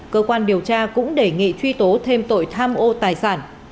cơ quan điều tra cũng đề nghị truy tố thêm tội tham ô tài sản